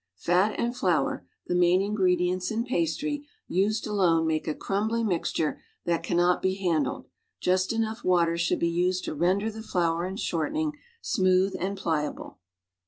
Fat and flour, the main ingredients in pastry, used alone make a crumhly mixture that cannot be handled; just enough water should be used to render the flour and shortening smooth and pliable.